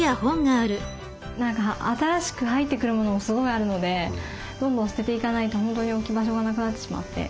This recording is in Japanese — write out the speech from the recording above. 何か新しく入ってくるモノもすごいあるのでどんどん捨てていかないと本当に置き場所がなくなってしまって。